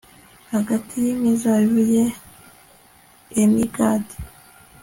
hagati y'imizabibu ya enigadi